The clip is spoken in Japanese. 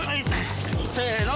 せの！